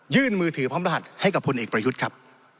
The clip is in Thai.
มือถือพร้อมรหัสให้กับพลเอกประยุทธ์ครับ